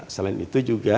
selain itu juga